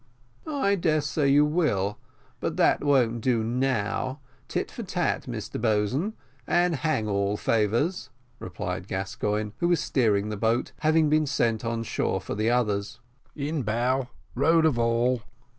"I dare say you will, but that won't do now. `Tit for tat,' Mr Boatswain, and hang all favours," replied Gascoigne, who was steering the boat, having been sent on shore for the others. "In bow rowed of all."